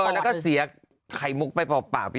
แล้วก็เสียไขมุกไปป่าว